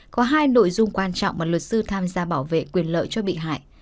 có hai nội dung quan trọng mà luật sư tham gia bảo vệ quyền lợi cho bị hại